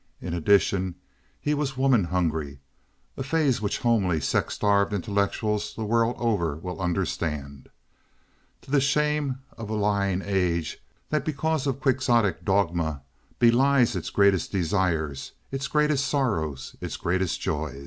In addition he was woman hungry—a phase which homely, sex starved intellectuals the world over will understand, to the shame of a lying age, that because of quixotic dogma belies its greatest desire, its greatest sorrow, its greatest joy.